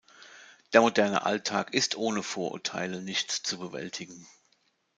Der moderne Alltag ist ohne Vorurteile nicht zu bewältigen.